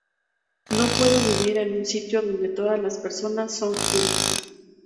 No puedo vivir en un sitio donde todas las personas son cool.